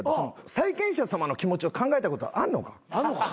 債権者さまの気持ちを考えたことあんのか？